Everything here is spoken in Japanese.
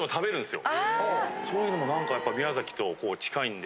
そういうのもなんか宮崎と近いんで。